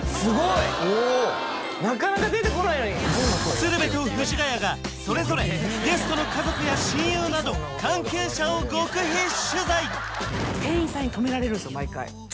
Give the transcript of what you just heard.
鶴瓶と藤ヶ谷がそれぞれゲストの家族や親友など関係者を極秘取材！